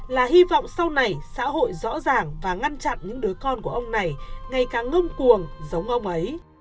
là hy vọng sau này xã hội rõ ràng và ngăn chặn những đứa con của ông này ngày càng ngông cuồng giống ông ấy